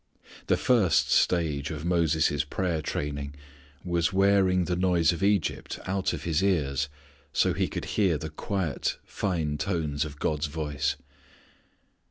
The first stage of Moses' prayer training was wearing the noise of Egypt out of his ears so he could hear the quiet fine tones of God's voice.